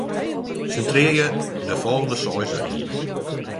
Sintrearje de folgjende seis rigen.